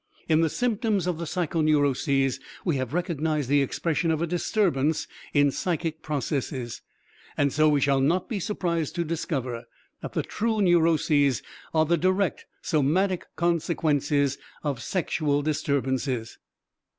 In the symptoms of the psychoneuroses we have recognized the expression of a disturbance in psychic processes. And so we shall not be surprised to discover that the true neuroses are the direct somatic consequences of sexual disturbances.